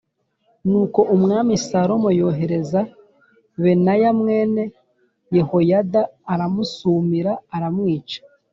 Nuko Umwami Salomo yohereza Benaya mwene Yehoyada, aramusumira aramwica.